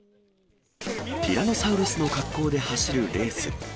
ティラノサウルスの格好で走るレース。